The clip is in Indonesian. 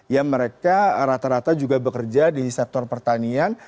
ya mereka rata rata juga bekerja di sektor pertanian